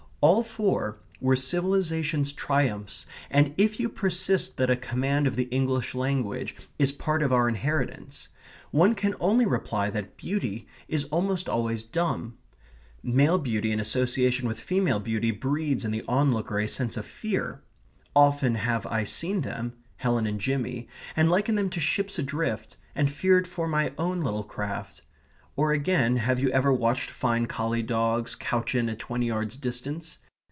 All four were civilization's triumphs, and if you persist that a command of the English language is part of our inheritance, one can only reply that beauty is almost always dumb. Male beauty in association with female beauty breeds in the onlooker a sense of fear. Often have I seen them Helen and Jimmy and likened them to ships adrift, and feared for my own little craft. Or again, have you ever watched fine collie dogs couchant at twenty yards' distance?